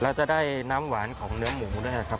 แล้วจะได้น้ำหวานของเนื้อหมูด้วยนะครับ